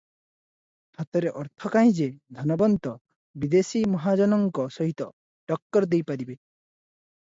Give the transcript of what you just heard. ହାତରେ ଅର୍ଥ କାହିଁ ଯେ, ଧନବନ୍ତ ବିଦେଶୀ ମହାଜନଙ୍କ ସହିତ ଟକ୍କର ଦେଇ ପାରିବେ ।